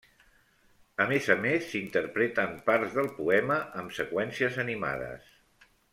A més a més, s'interpreten parts del poema amb seqüències animades.